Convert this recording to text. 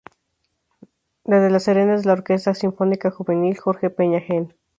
La de la Serena es la Orquesta Sinfónica Juvenil Jorge Peña Hen.